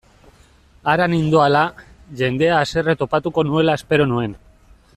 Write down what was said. Hara nindoala, jendea haserre topatuko nuela espero nuen.